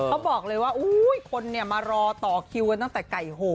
เขาบอกเลยว่าคนมารอต่อคิวกันตั้งแต่ไก่โห